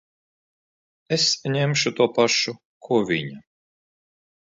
Es ņemšu to pašu, ko viņa.